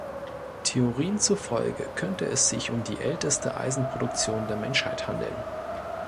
Theorien zufolge könnte es sich um die älteste Eisenproduktion der Menschheit handeln.